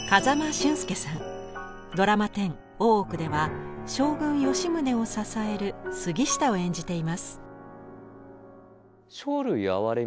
ドラマ１０「大奥」では将軍吉宗を支える杉下を演じています。